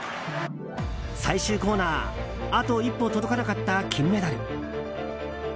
最終コーナーあと一歩届かなかった金メダル。